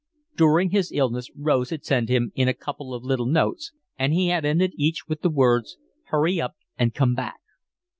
During his illness Rose had sent him in a couple of little notes, and he had ended each with the words: "Hurry up and come back."